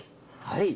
はい。